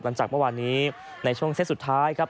หลังจากเมื่อวานนี้ในช่วงเซตสุดท้ายครับ